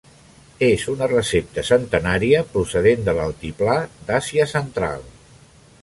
És una recepta centenària procedent de l'altiplà d'Àsia central.